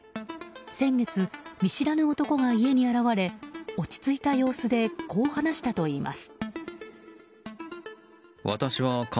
先月、見知らぬ男が家に現われ落ち着いた様子でこう話したといいます。